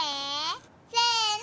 せの！